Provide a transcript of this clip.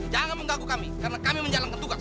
jangan mengganggu kami karena kami menjalankan tugas